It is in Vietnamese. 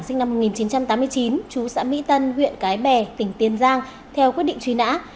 sinh năm một nghìn chín trăm tám mươi chín chú xã mỹ tân huyện cái bè tỉnh tiên giang theo quyết định truy nã